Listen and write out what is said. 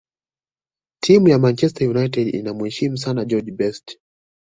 timu ya manchester united inamuheshimu sana george best